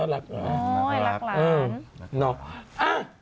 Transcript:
ลักร้าน